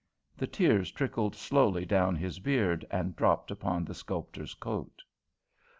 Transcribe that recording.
The tears trickled slowly down his beard and dropped upon the sculptor's coat.